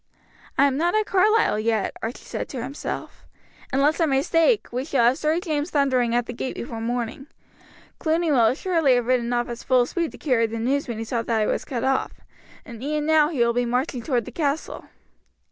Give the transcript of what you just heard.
"I am not at Carlisle yet," Archie said to himself. "Unless I mistake, we shall have Sir James thundering at the gate before morning. Cluny will assuredly have ridden off at full speed to carry the news when he saw that I was cut off, and e'en now he will be marching towards the castle."